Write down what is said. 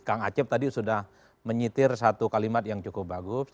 kang acep tadi sudah menyitir satu kalimat yang cukup bagus